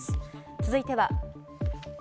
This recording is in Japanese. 続いては。